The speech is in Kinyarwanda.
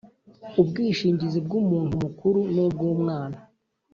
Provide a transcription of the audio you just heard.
ubwishingizi bw umuntu mukuru nubwumwana